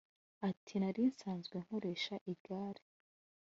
Ati “Nari nsanzwe nkoresha igare